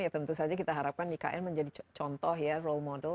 ya tentu saja kita harapkan ikn menjadi contoh ya role model